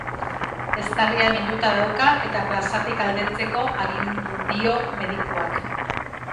Eztarria minduta dauka eta plazatik aldentzeko agindu dio medikuak.